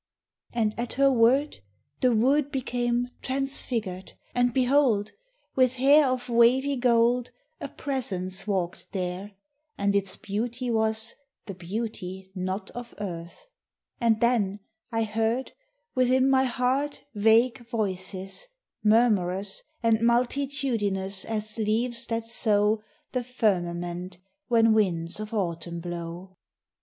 III And at her word The wood became transfigured; and, behold! With hair of wavy gold A presence walked there; and its beauty was The beauty not of Earth: and then I heard Within my heart vague voices, murmurous And multitudinous as leaves that sow The firmament when winds of autumn blow.